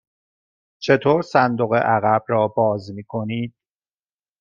چطور صندوق عقب را باز می کنید؟